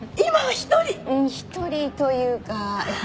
一人というかええ。